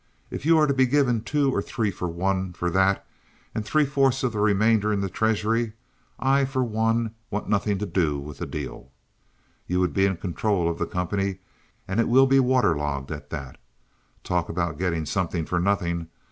If you are to be given two or three for one for that, and three fourths of the remainder in the treasury, I for one want nothing to do with the deal. You would be in control of the company, and it will be water logged, at that. Talk about getting something for nothing!